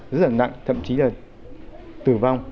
rất là nặng thậm chí là tử vong